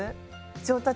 上達。